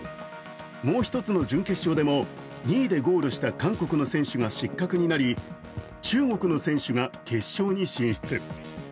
もう一つの準決勝でも２位でゴールした韓国の選手が失格となり中国の選手が決勝に進出。